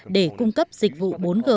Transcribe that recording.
để cung cấp dịch vụ bốn g